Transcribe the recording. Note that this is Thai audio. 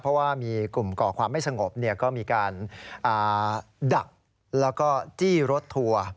เพราะว่ามีกลุ่มก่อความไม่สงบก็มีการดักแล้วก็จี้รถทัวร์